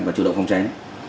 và chủ động phòng tránh